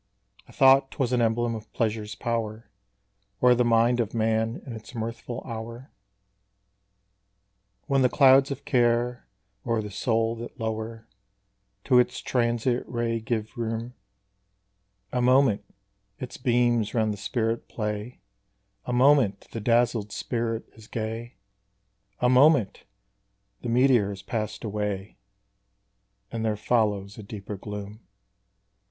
I thought 'twas an emblem of pleasure's power O'er the mind of man in its mirthful hour, When the clouds of care o'er the soul that lower To its transient ray give room: A moment, its beams round the spirit play; A moment, the dazzled spirit is gay; A moment! the meteor has passed away, And there follows a deeper gloom.